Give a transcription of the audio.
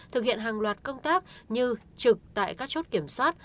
thực hiện hàng loạt công tác như trực tại các chốt kiểm soát